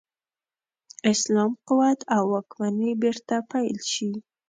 اسلام قوت او واکمني بیرته پیل شي.